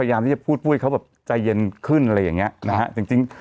หโว้ยเขาแบบใจเย็นขึ้นอะไรอย่างเนี่ยจริง